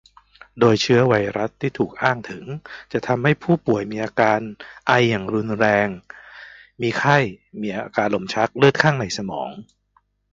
โดยเชื้อไวรัสที่ถูกอ้างถึงจะทำให้ผู้ป่วยมีอาการไออย่างรุนแรง มีไข้ มีอาการลมชัก เลือดคั่งในสมอง